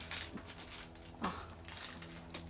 あっ